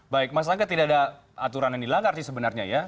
baik mas angga tidak ada aturan yang dilanggar sih sebenarnya ya